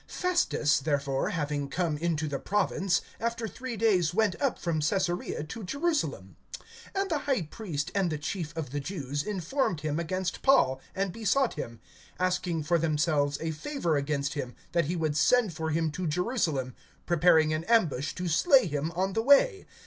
FESTUS, therefore, having come into the province, after three days went up from Caesarea to Jerusalem. (2)And the high priest and the chief of the Jews informed him against Paul, and besought him, (3)asking for themselves a favor against him, that he would send for him to Jerusalem, preparing an ambush to slay him on the way.